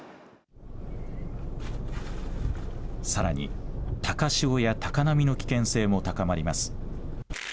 さらに、高潮や高波の危険性も高まります。